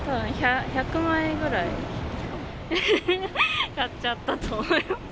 １００枚ぐらい買っちゃったと思います。